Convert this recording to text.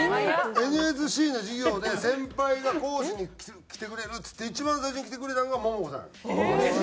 ＮＳＣの授業で先輩が講師に来てくれるっつって一番最初に来てくれたんがモモコさん。